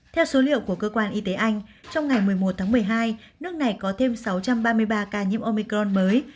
theo số liệu của cơ quan y tế anh trong ngày một mươi một tháng một mươi hai nước này có thêm sáu trăm ba mươi ba ca nhiễm omicron mới